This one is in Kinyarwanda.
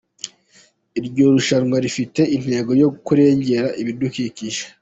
Iryo rushanwa rifite intego yo kurengera ibidukikije.